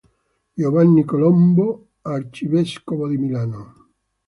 Giovanni Colombo, arcivescovo di Milano.